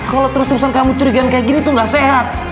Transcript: kalau terus terusan kamu curigaan kayak gini tuh gak sehat